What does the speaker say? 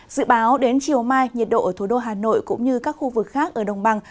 dự báo đến chiều mai nhiệt độ ở thủ đô hà nội cũng như các khu vực khác ở đồng bằng